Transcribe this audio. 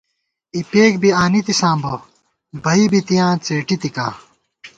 اِپېک بی آنِتِساں بہ بئ بِتِیاں څېٹِکاں